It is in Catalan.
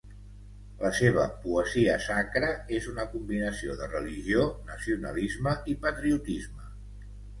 La seva poesia sacra és una combinació de religió, nacionalisme i patriotisme.